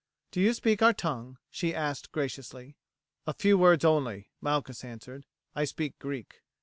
Do you speak our tongue?" she asked graciously. "A few words only," Malchus answered. "I speak Greek."